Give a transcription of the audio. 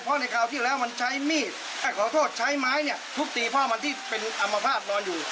เพราะในคราวที่แล้วมันใช้มีดขอโทษใช้ไม้เนี่ยทุบตีพ่อมันที่เป็นอัมพาตนอนอยู่